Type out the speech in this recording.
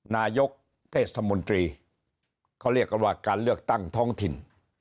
นายกเทศมนตรีเขาเรียกกันว่าการเลือกตั้งท้องถิ่น